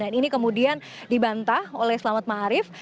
dan ini kemudian dibantah oleh selamat marif